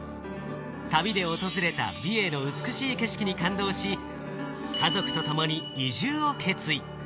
旅で訪れた美瑛の美しい景色に感動し、家族とともに移住を決意。